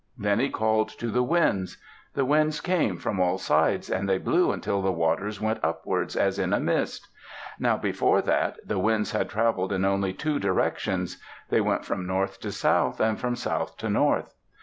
Then he called to the winds. The winds came from all sides and they blew until the waters went upwards, as in a mist. Now before that the winds had traveled in only two directions; they went from north to south and from south to north.